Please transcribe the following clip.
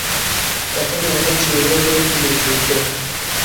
তখনই হঠাৎ শুরু হয়ে গেল তুমুল যুদ্ধ।